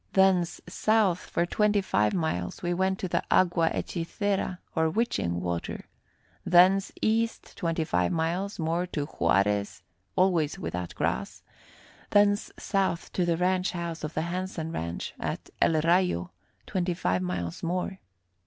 Thence south for twenty five miles we went to the Agua Hechicera, or witching water; thence east twenty five miles more to Juarez, always without grass; thence south to the ranch house of the Hansen ranch, at El Rayo, twenty five miles more.